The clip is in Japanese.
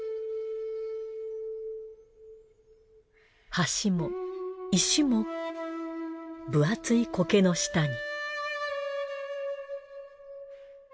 橋も石も分厚い苔の下に。